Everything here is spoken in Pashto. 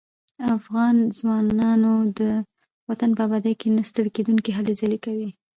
افغان ځوانان د وطن په ابادۍ کې نه ستړي کېدونکي هلې ځلې کوي.